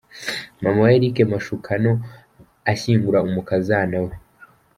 Mama wa Eric Mashukano ashyingura umukazana we.